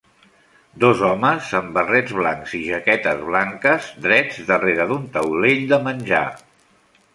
Dos homes amb barrets blancs i jaquetes blanques drets darrere d'un taulell de menjar